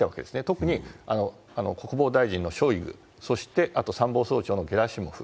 特に国防大臣のショイグ、あとは参謀総長のゲラシモフ。